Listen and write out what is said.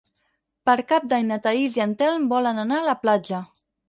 Per Cap d'Any na Thaís i en Telm volen anar a la platja.